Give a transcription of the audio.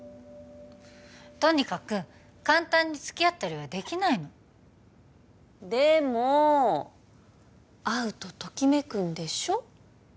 とにかく簡単に付き合ったりはできないのでも会うとときめくんでしょ？